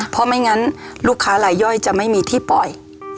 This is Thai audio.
เพราะไม่งั้นลูกค้าลายย่อยจะไม่มีที่ปล่อย